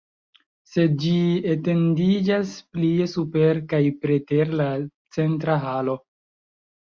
Sed ĝi etendiĝas plie super kaj preter la centra halo.